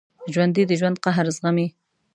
ژوندي د ژوند قهر زغمي